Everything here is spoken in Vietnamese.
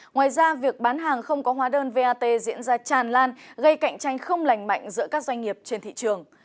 ngoài ra việc bán hàng không có hóa đơn vat diễn ra tràn lan gây cạnh tranh không lành mạnh giữa các doanh nghiệp trên thị trường